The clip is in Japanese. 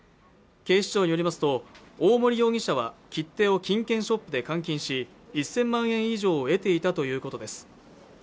警視庁によりますと大森容疑者は切手を金券ショップで換金し１０００万円以上を得ていたということです